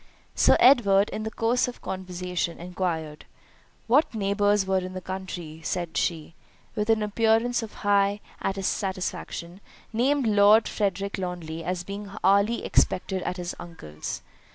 Sir Edward, in the course of conversation, enquired "What neighbours were in the country;" and she, with an appearance of high satisfaction, named Lord Frederick Lawnly as being hourly expected at his uncle's.